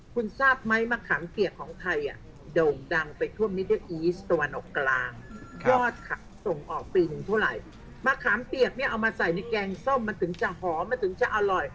ส่งออกปีหนึ่งเท่าไหร่มะขามเปียกเนี่ยเอามาใส่ในแกงส้มมันถึงจะหอมมันถึงจะอร่อย